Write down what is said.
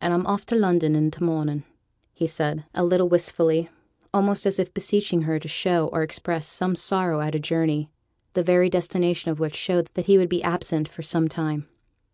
'And I'm off to London i' t' morning,' added he, a little wistfully, almost as if beseeching her to show or express some sorrow at a journey, the very destination of which showed that he would be absent for some time.